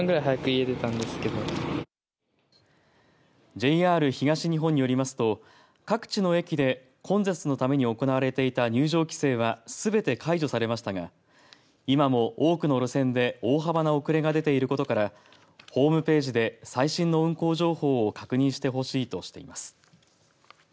ＪＲ東日本によりますと各地の駅で混雑のために行われていた入場規制はすべて解除されましたが今も多くの路線で大幅な遅れが出ていることからホームページで最新の運行情報を確認してほしいとしています。